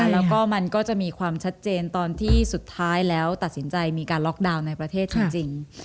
แล้วก็มันก็จะมีความชัดเจนตอนที่สุดท้ายแล้วตัดสินใจมีการล็อกดาวน์ในประเทศจริง